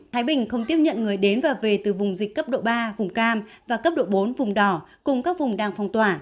thái bình không tiếp nhận người đến và về từ vùng dịch cấp độ ba vùng cam và cấp độ bốn vùng đỏ cùng các vùng đang phong tỏa